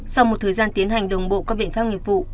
sau một thời gian tiến hành đồng bộ các biện pháp nghiệp vụ